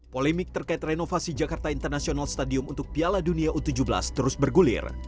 polemik terkait renovasi jakarta international stadium untuk piala dunia u tujuh belas terus bergulir